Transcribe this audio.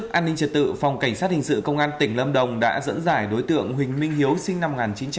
trước an ninh trật tự phòng cảnh sát hình sự công an tỉnh lâm đồng đã dẫn dải đối tượng huỳnh minh hiếu sinh năm một nghìn chín trăm tám mươi